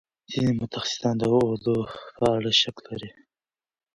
ځینې متخصصان د اولو په اړه شک لري.